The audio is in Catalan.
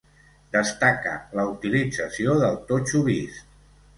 Destaca la utilització del totxo vist.